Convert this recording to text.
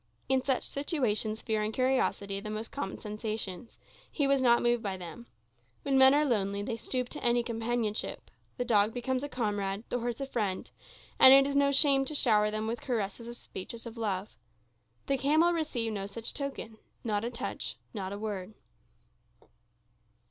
In such situations fear and curiosity are the most common sensations; he was not moved by them. When men are lonely, they stoop to any companionship; the dog becomes a comrade, the horse a friend, and it is no shame to shower them with caresses and speeches of love. The camel received no such token, not a touch, not a word.